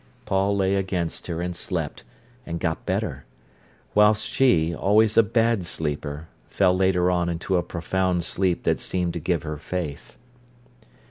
Paul lay against her and slept, and got better; whilst she, always a bad sleeper, fell later on into a profound sleep that seemed to give her faith.